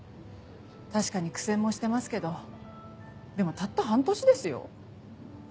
確かに苦戦もしてますけどでもたった半年ですよ？